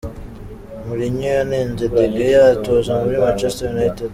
Mourinho yanenze De Gea atoza muri Manchester United.